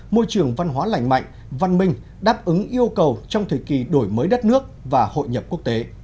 môi trường văn hóa lành mạnh văn minh đáp ứng yêu cầu trong thời kỳ đổi mới đất nước và hội nhập quốc tế